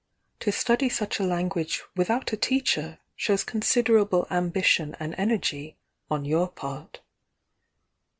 "To study such a language without a teacher shows consid er, ole ambition and energy on your part."